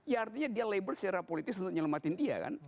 ya artinya dia labor secara politis untuk nyelematin dia kan